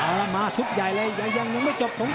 เอาละมาชุบใหญ่เลยยังไม่จบสมภัณฑ์